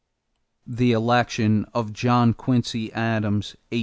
=The Election of John Quincy Adams (1824).